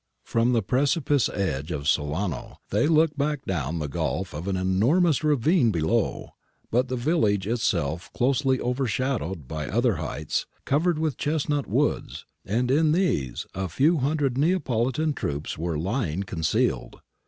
From the precipice edge of Solano they looked back down the gulf of an enormous ravine below, but the village is itself closely overshadowed by other heights, covered with chestnut woods, and in these a few hundred Nea politan troops were lying concealed.